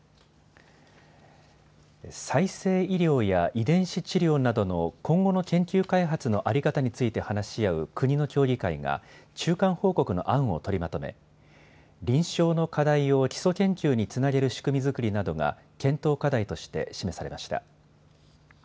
再生医療や遺伝子治療などの今後の研究開発の在り方について話し合う国の協議会が中間報告の案を取りまとめ臨床の課題を基礎研究につなげる仕組み作りなどが検討課題として示されました。